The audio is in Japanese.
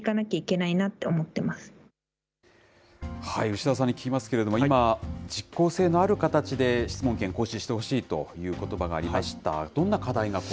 牛田さんに聞きますけれども、今、実効性のある形で質問権行使してほしいということばがありました。